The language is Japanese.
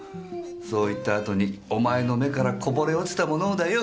そう言った後にお前の目からこぼれ落ちたものをだよ。